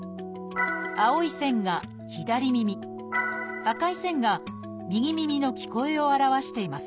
青い線が左耳赤い線が右耳の聞こえを表しています。